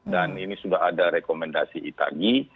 dan ini sudah ada rekomendasi itagi